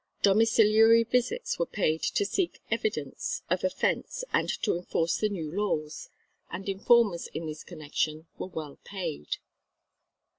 Domiciliary visits were paid to seek evidence of offence and to enforce the new laws, and informers in this connection were well paid.